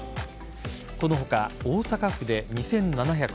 この他、大阪府で２７３３人